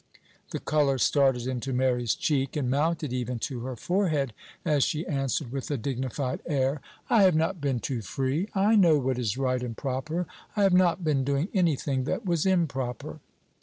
The color started into Mary's cheek, and mounted even to her forehead, as she answered with a dignified air, "I have not been too free; I know what is right and proper; I have not been doing any thing that was improper."